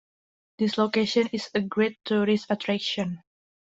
This location is a great tourist attraction.